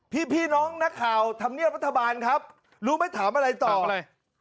พี่น้องนักข่าวธรรมเนียบรัฐบาลครับรู้ไหมถามอะไรต่ออะไร